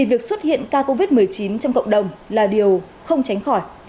việc xuất hiện ca covid một mươi chín trong cộng đồng là điều không tránh khỏi